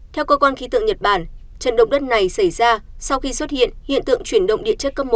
theo cơ quan khí tượng nhật bản trận động đất này xảy ra sau khi xuất hiện hiện tượng chuyển động địa chất cấp một